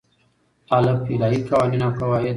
الف : الهی قوانین او قواعد